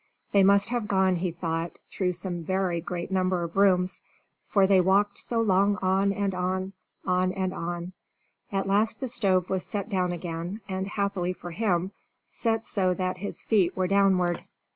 They must have gone, he thought, through some very great number of rooms, for they walked so long on and on, on and on. At last the stove was set down again, and, happily for him, set so that his feet were downward.